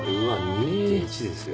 ２．１ですよ。